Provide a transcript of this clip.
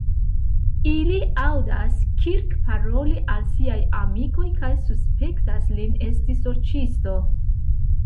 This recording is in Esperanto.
Ili aŭdas Kirk paroli al siaj amikoj kaj suspektas lin esti sorĉistino.